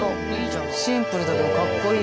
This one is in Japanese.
シンプルだけどかっこいい。